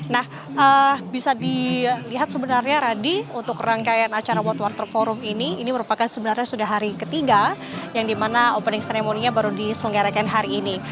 nah bisa dilihat sebenarnya radi untuk rangkaian acara world water forum ini ini merupakan sebenarnya sudah hari ketiga yang dimana opening ceremony nya baru diselenggarakan hari ini